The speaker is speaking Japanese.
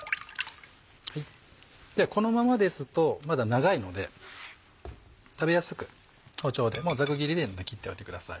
このままですとまだ長いので食べやすく包丁でざく切りでいいので切っておいてください。